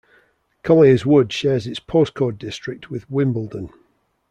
Colliers Wood shares its postcode district with Wimbledon.